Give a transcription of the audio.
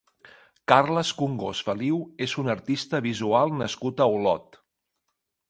Carles Congost Feliu és un artista visual nascut a Olot.